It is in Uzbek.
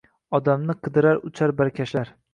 Odamni qidirar uchar barkashlar…